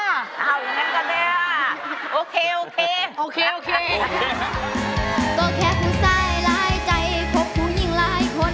อ้าวอย่างนั้นก่อนดีล่ะ